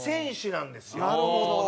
なるほど！